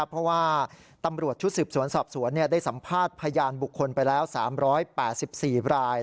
เพราะว่าตำรวจชุดสืบสวนสอบสวนได้สัมภาษณ์พยานบุคคลไปแล้ว๓๘๔ราย